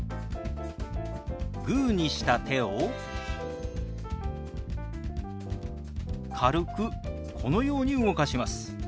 グーにした手を軽くこのように動かします。